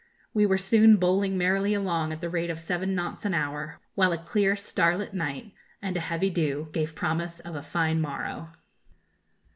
We were soon bowling merrily along at the rate of seven knots an hour, while a clear starlight night and a heavy dew gave promise of a fine morrow.